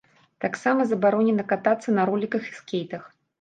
Таксама забаронена катацца на роліках і скейтах.